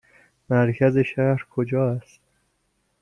مرکز شهر کجا است؟